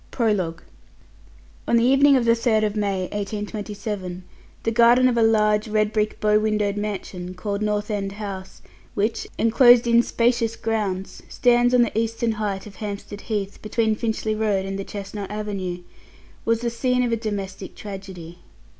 PROLOGUE. On the evening of May 3, 1827, the garden of a large red brick bow windowed mansion called North End House, which, enclosed in spacious grounds, stands on the eastern height of Hampstead Heath, between Finchley Road and the Chestnut Avenue, was the scene of a domestic tragedy.